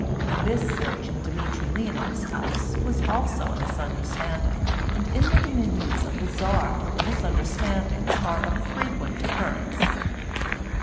This search in Dmitry Leonoff's house was also a misunderstanding, and in the dominions of the Czar misunderstandings are of frequent occurrence.